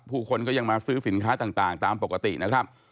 ผู้คนก็ยังมาซื้อสินค้าต่างตามปกตินะครับ